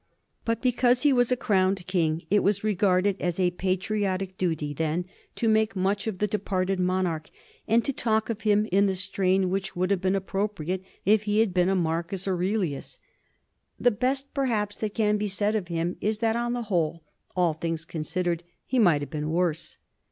But because he was a crowned king, it was regarded as a patriotic duty then to make much of the 172Y 1Y60. PASSED AWAY. 306 departed monarchy and to talk of him in the strain which would have been appropriate if he had been a Marcus Aurelius. The best, perhaps, that can be said of him is that, on the whole, all things considered, he might have been worse.